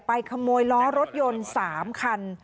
ขโมยล้อรถยนต์๓คัน